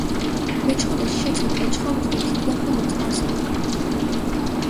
მეჩხომეს შეცოდჷ ე ჩხომქ დო ქიდნახუნუ წყარს კონი.